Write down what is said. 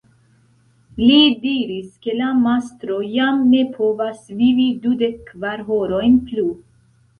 Li diris, ke la mastro jam ne povas vivi dudek kvar horojn plu.